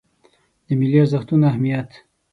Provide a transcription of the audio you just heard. د ملي ارزښتونو اهمیت